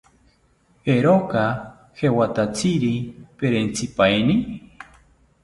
¿Eeroka jewatatziri perentzipaeni?